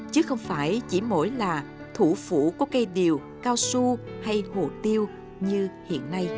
chứ không phải chỉ mỗi là thủ phủ có cây điều cao su hay hủ tiêu như hiện nay